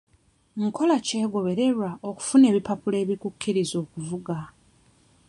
Nkola ki egobererwa okufuna ebipapula ebikukkiriza okuvuga?